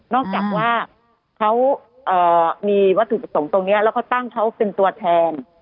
จากว่าเขามีวัตถุประสงค์ตรงนี้แล้วก็ตั้งเขาเป็นตัวแทน